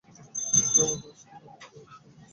জামাতা আসিবে, নানা প্রকার উদ্যোগ করিতে হইতেছে।